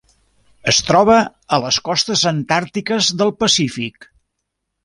Es troba a les costes antàrtiques del Pacífic.